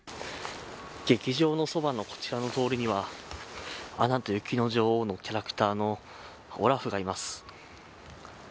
劇場のそばのこちらの通りにはアナと雪の女王のキャラクターのオラフがいます。